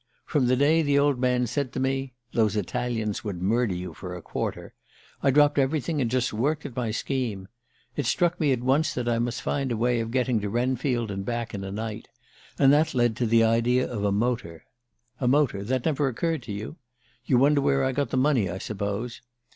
From the day the old man said to me, 'Those Italians would murder you for a quarter,' I dropped everything and just worked at my scheme. It struck me at once that I must find a way of getting to Wrenfield and back in a night and that led to the idea of a motor. A motor that never occurred to you? You wonder where I got the money, I suppose.